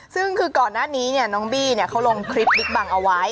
ซึ่งคือก่อนหน้านี้น้องบี้เขาลงคลิปบิ๊กบังเอาไว้